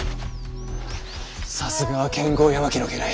さすがは剣豪八巻の家来。